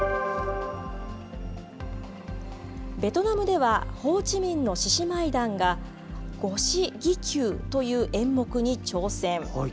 ベトナムではホーチミンの獅子舞団が五獅戯球という演目に挑戦。